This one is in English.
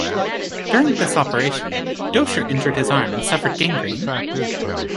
During this operation, Docher injured his arm and suffered gangrene.